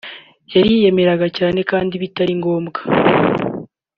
…Yariyemeraga cyane kandi bitari ngombwa